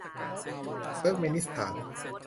เติร์กเมนิสถาน